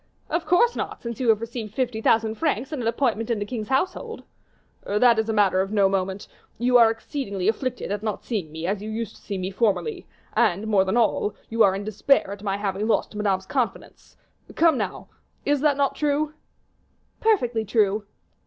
"Of course not, since you have received fifty thousand francs and an appointment in the king's household." "That is a matter of no moment; you are exceedingly afflicted at not seeing me as you used to see me formerly, and more than all, you are in despair at my having lost Madame's confidence; come now, is not that true?" "Perfectly true."